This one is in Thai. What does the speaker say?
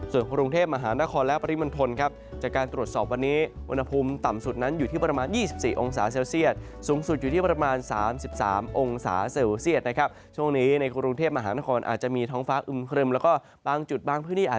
ส่วนกรุงเทพฯมหานครและปริมณฑลจากการตรวจสอบวันนี้